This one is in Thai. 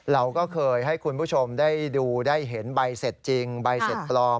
เราก็เคยให้คุณผู้ชมได้ดูได้เห็นใบเสร็จจริงใบเสร็จปลอม